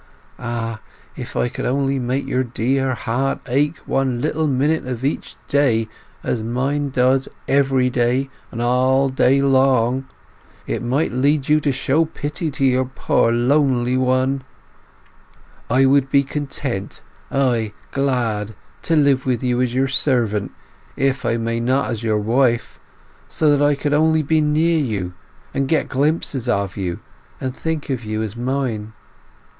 Ah, if I could only make your dear heart ache one little minute of each day as mine does every day and all day long, it might lead you to show pity to your poor lonely one.... I would be content, ay, glad, to live with you as your servant, if I may not as your wife; so that I could only be near you, and get glimpses of you, and think of you as mine....